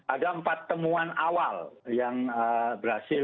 ada empat temuan awal yang berhasil